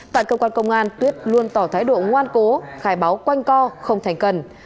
tại cơ quan công an tuyết luôn tỏ thái độ ngoan cố khai báo quanh co không thành cần